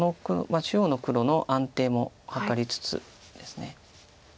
中央の黒の安定も図りつつです。